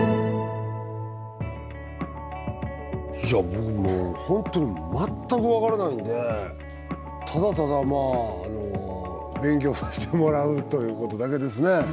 いや僕もう本当に全く分からないんでただただまああの勉強させてもらうということだけですね。